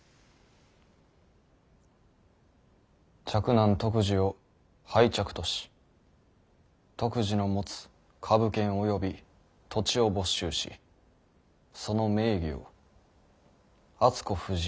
「嫡男篤二を廃嫡とし篤二の持つ株券および土地を没収しその名義を敦子夫人に書き換える」。